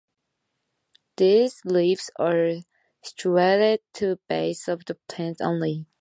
The leaves are situated to the base of the plant only.